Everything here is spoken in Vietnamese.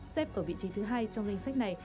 xếp ở vị trí thứ hai trong danh sách này